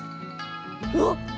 うわっ！